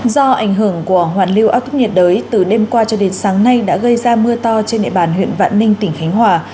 do ảnh hưởng của hoàn lưu áp thấp nhiệt đới từ đêm qua cho đến sáng nay đã gây ra mưa to trên địa bàn huyện vạn ninh tỉnh khánh hòa